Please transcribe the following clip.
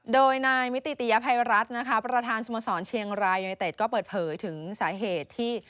โดยนายมิติติยภัยรัฐนะคะประธานสโมสรเชียงรายยูเนเต็ดก็เปิดเผยถึงสาเหตุที่